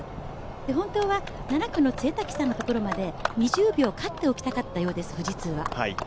本当は７区の潰滝さんのところまで２０秒勝っておきたかったようです、富士通は。